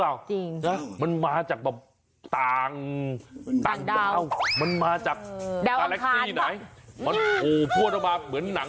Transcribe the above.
อ้าวต้องตรวจสอบอีกทีว่ามันมาจากนอกโลกจริง